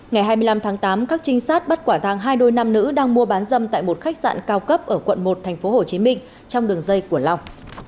ngày hai mươi năm tháng tám các trinh sát bắt quả thang hai đôi nam nữ đang mua bán dâm tại một khách sạn cao cấp ở quận một tp hcm trong đường dây của long